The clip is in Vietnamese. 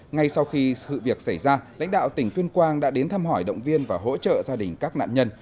ngay sau khi sự việc xảy ra lãnh đạo tỉnh tuyên quang đã đến thăm hỏi động viên và hỗ trợ gia đình các nạn nhân